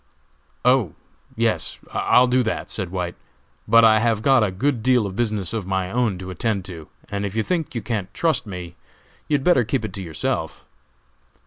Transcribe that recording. "Oh, yes, I'll do that," said White, "but I have got a good deal of business of my own to attend to, and if you think you can't trust me, you had better keep it to yourself."